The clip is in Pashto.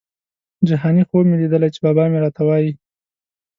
جهاني خوب مي لیدلی چي بابا مي راته وايی